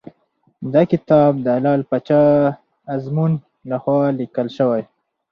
دا کتاب د لعل پاچا ازمون لخوا لیکل شوی .